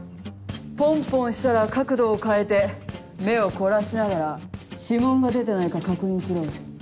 ポンポンしたら角度を変えて目を凝らしながら指紋が出てないか確認しろ。